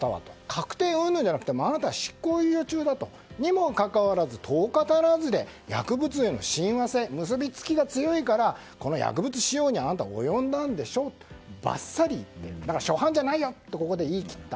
確定ではなくてあなたは執行猶予中にもかかわらず１０日足らずで薬物への親和性、結びつきが強いから、この薬物使用にあなた及んだんでしょとバッサリ言って初犯じゃないよと言い切った。